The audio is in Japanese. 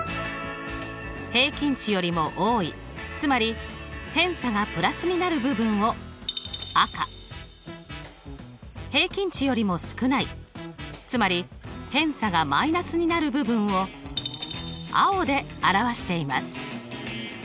平均値よりも多いつまり偏差がプラスになる部分を赤平均値よりも少ないつまり偏差がマイナスになる部分を青で表しています。